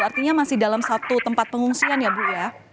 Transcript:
artinya masih dalam satu tempat pengungsian ya bu ya